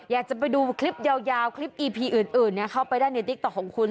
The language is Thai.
อยากจะไปดูคลิปยาวคลิปอีพีอื่นเข้าไปได้ในติ๊กต๊อกของคุณ